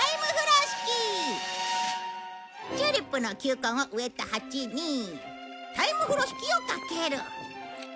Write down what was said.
チューリップの球根を植えた鉢にタイムふろしきを掛ける。